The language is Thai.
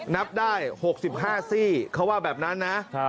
นับได้๖๕ซี่เขาว่าแบบนั้นนะ